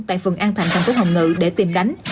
tại phường an thạnh thành phố hồng ngự để tìm đánh